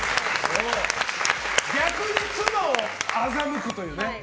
逆に妻を欺くというね。